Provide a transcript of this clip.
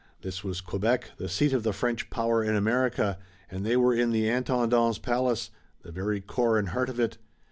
This was Quebec, the seat of the French power in America, and they were in the Intendant's palace, the very core and heart of it.